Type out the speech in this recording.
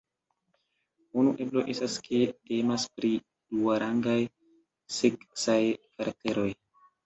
Unu eblo estas ke temas pri duarangaj seksaj karakteroj.